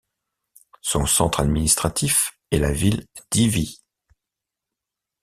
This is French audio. Son centre administratif est la ville d'Iwie.